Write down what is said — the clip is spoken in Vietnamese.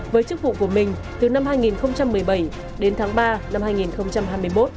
với chức vụ của mình từ năm hai nghìn một mươi bảy đến tháng ba năm hai nghìn hai mươi một